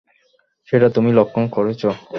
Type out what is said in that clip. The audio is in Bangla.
সেটা তুমি লঙ্ঘন করেছ।